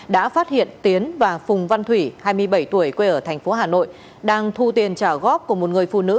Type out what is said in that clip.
đã phát hiện tiến và phùng văn thủy hai mươi bảy tuổi quê ở thành phố hà nội đang thu tiền trả góp của một người phụ nữ